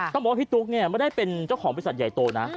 ต้องบอกว่าพี่ตุ๊กเนี่ยไม่ได้เป็นเจ้าของบริษัทใหญ่โตนะ